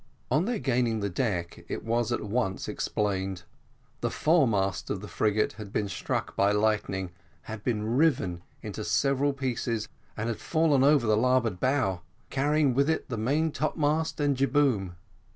On their gaining the deck it was at once explained; the foremast of the frigate had been struck by lightning, had been riven into several pieces, and had fallen over the larboard bow, carrying with it the main topmast and jib boom.